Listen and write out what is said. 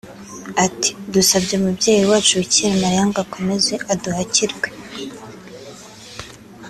ati “Dusabye umubyeyi wacu Bikira Mariya ngo akomeze aduhakirwe